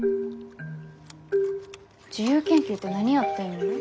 自由研究って何やってんの？